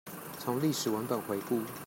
從歷史文本回顧